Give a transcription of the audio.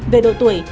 về độ tuổi